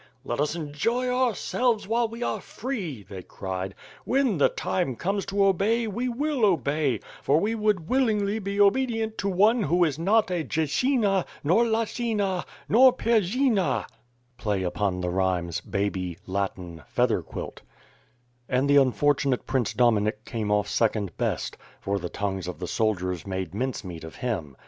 "Let us enjoy ourselves while we are free!" they cried. "When the time comes to obey we will obey, for we would willingly be obedient to one who is not a dziecina, nor lacina, nor pierzynay' And the unfortunate Prince Dominik came off second best, for the tongues of the soWiers made mince meat of him.